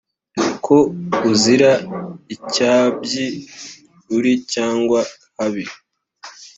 Ko uzira icyabyi uri cyanga-habi